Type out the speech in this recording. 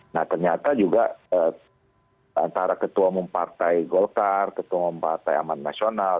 nah ternyata juga antara ketua mempartai golkar ketua mempartai aman nasional